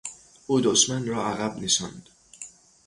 او دشمن را عقب نشاند.